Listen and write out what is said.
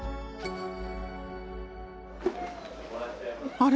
あれ？